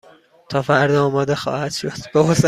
تا فردا آماده خواهد شد.